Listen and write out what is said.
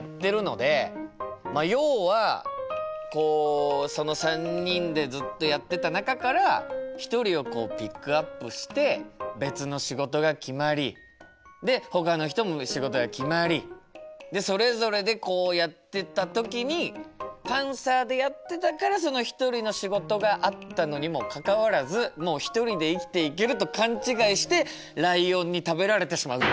まあ要はこうその３人でずっとやってた中から一人をピックアップして別の仕事が決まりでほかの人も仕事が決まりそれぞれでやってった時にパンサーでやってたから一人の仕事があったのにもかかわらずもう一人で生きていけると勘違いしてライオンに食べられてしまう。